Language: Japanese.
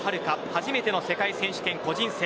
初めての世界選手権、個人戦。